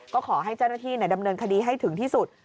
ก็ขอให้เจ้าหน้าที่ดำเนินคดีให้ถึงที่สุด